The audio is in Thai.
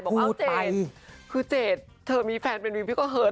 บอกเจทร์เจทร์มีแฟไคลน์กับวิวคือก็เหิด